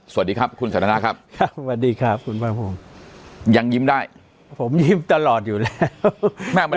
สวัสดีครับคุณสันธนาครับยังยิ้มได้ผมยิ้มตลอดอยู่แล้วมัน